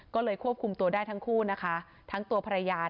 ก็ควบคุมตัวได้ทั้งคู่นะคะ